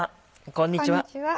こんにちは。